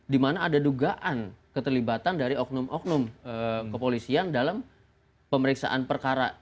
di mana ada dugaan keterlibatan dari oknum oknum kepolisian dalam pemeriksaan perkara